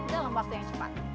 dalam waktu yang cepat